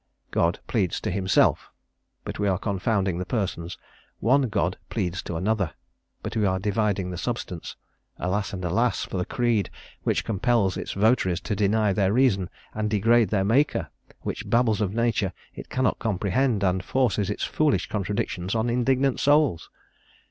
God pleads to Himself but we are confounding the persons: one God pleads to another but we are dividing the substance. Alas and alas for the creed which compels its votaries to deny their reason, and degrade their Maker! which babbles of a Nature it cannot comprehend, and forces its foolish contradictions on indignant souls!